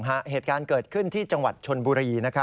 เหตุการณ์เกิดขึ้นที่จังหวัดชนบุรี